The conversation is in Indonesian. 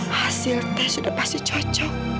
hasil teh sudah pasti cocok